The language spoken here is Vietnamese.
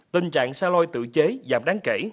tình trạng xe loi tự chế giảm đáng kể